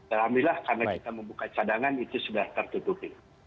alhamdulillah karena kita membuka cadangan itu sudah tertutupi